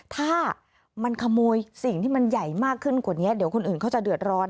ถ้ามันขโมยสิ่งที่มันใหญ่มากขึ้นกว่านี้เดี๋ยวคนอื่นเขาจะเดือดร้อน